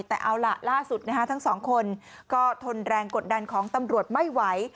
แต่เอาล่ะล่าสุดทั้งสองคนก็ทนแรงกดดันของตำรวจไม่ไหว